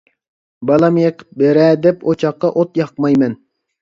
بالام يېقىپ بىرەر دەپ ئوچاققا ئوت ياقمايمەن.